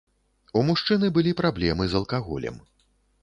У мужчыны былі праблемы з алкаголем.